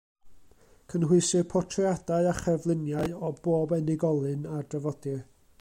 Cynhwysir portreadau a cherfluniau o bob unigolyn a drafodir.